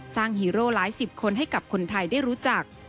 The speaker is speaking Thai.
ฮีโร่หลายสิบคนให้กับคนไทยได้รู้จัก